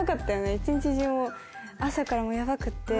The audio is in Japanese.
一日中朝からもうヤバくって。